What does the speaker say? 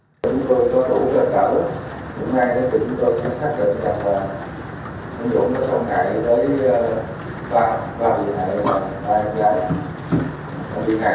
chúng tôi có đủ kết thúc hôm nay chúng tôi sẽ xác định rằng ông dũng đã xâm hại với bà và bị hại bà em gái